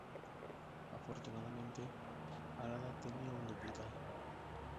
Afortunadamente, Harada tenía un duplicado.